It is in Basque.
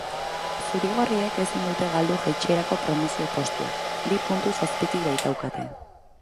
Zuri-gorriek ezin dute galdu jaitsierako promozio postua bi puntuz azpitik baitaukate.